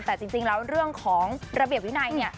แต่จริงแล้วเรื่องของระเบียบวินัยเนี่ย